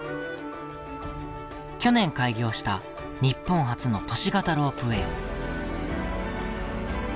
去年開業した日本初の都市型ロープウエー。